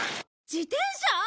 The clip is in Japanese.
自転車！？